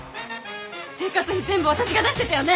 生活費全部私が出してたよね？